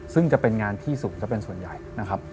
ซึ่งจะเป็นงานที่สูงซะเป็นส่วนใหญ่นะครับ